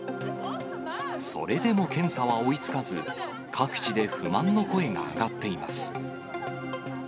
それでも検査は追いつかず、各地で不満の声が上がっています。